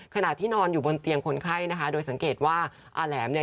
ขณะที่นอนอยู่บนเตียงคนไข้นะคะโดยสังเกตว่าอาแหลมเนี่ย